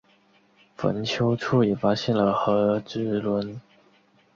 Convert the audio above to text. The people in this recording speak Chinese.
坟丘处也发现了和埴轮。